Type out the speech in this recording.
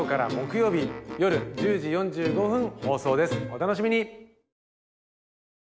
お楽しみに。